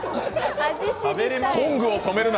トングを止めるな！